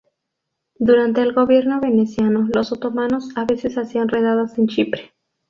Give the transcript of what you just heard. Durante el gobierno veneciano, los otomanos a veces hacían redadas en Chipre.